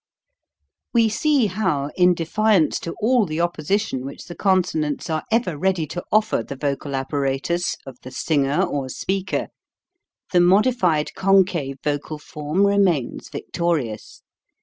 We see how in defiance to all the opposition which the consonants are ever ready to offer the vocal apparatus of the singer or speaker, the modified concave vocal form remains victorious.